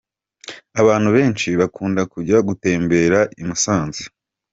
Abantu benshi bakunda kujya gutemberera i Musanze.